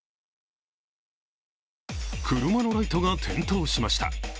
車のライトが点灯しました。